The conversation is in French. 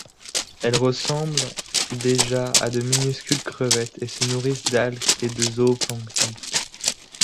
Elles ressemblent déjà à de minuscules crevettes et se nourrissent d’algues et de zooplancton.